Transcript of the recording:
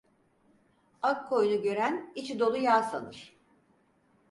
Ak koyunu gören, içi dolu yağ sanır.